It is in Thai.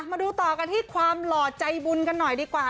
มาดูต่อกันที่ความหล่อใจบุญกันหน่อยดีกว่า